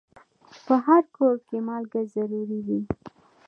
په هر کور کې مالګه ضرور وي.